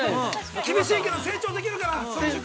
◆厳しいけど成長できるから。